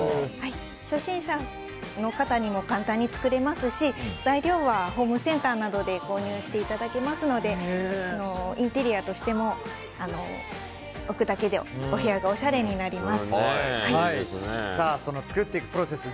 初心者の方でも簡単に作れますし材料はホームセンターなどで購入していただけますのでインテリアとしても置くだけで、お部屋がその作っていくプロセス